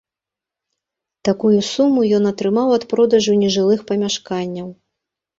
Такую суму ён атрымаў ад продажу нежылых памяшканняў.